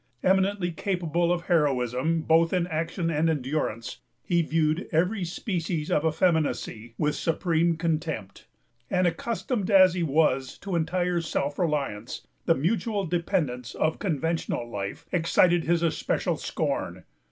Eminently capable of heroism, both in action and endurance, he viewed every species of effeminacy with supreme contempt; and, accustomed as he was to entire self reliance, the mutual dependence of conventional life excited his especial scorn.